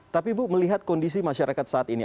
tapi ibu melihat kondisi masyarakat saat ini